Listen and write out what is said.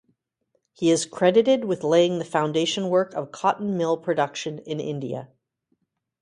He is credited with laying the foundation work of cotton mill production in India.